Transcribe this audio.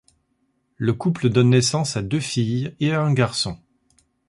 Le couple donne naissance à deux filles et à un garçon.